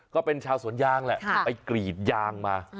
ก็เป็นชาวสวนยางแหละไปกรีดยางมา